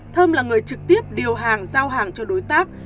thơm là người trực tiếp điều hàng giao hàng cho đối tác